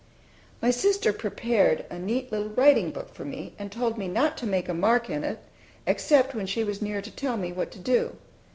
My sister prepared a neat little writing book for me, and told me not to make a mark in it except when she was near to tell me what to do.